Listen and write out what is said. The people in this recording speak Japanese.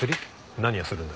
何やするんだ？